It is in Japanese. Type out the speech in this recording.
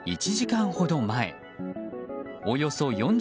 １時間ほど前およそ４０ｋｍ